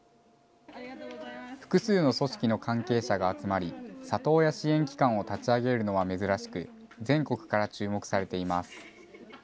複数の組織の関係者が集まり、里親支援機関を立ち上げるのは珍しく、全国から注目されています。